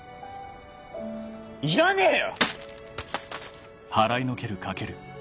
いらねえよ！